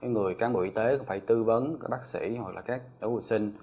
người cán bộ y tế cũng phải tư vấn bác sĩ hoặc là các đối vụ sinh